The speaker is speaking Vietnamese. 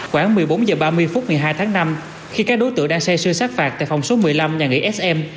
khoảng một mươi bốn h ba mươi phút ngày hai tháng năm khi các đối tượng đang xe sư sát phạt tại phòng số một mươi năm nhà nghỉ sm